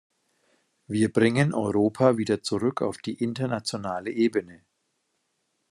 Wir bringen Europa wieder zurück auf die internationale Ebene.